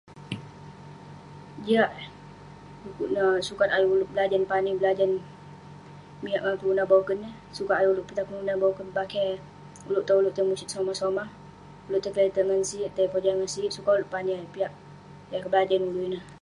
Jiak eh, dekuk neh sukat ayuk ulouk berajan pani berajan miak ngan kelunan boken eh. Sukat ayuk ulouk pitah kelunan boken bakeh ulouk dan ulouk tai musit somah-somah. Ulouk tai kelete'erk ngan sik, tai pojah ngan sik, sukat ulouk pani ayuk piak yah keberajan ulouk ineh.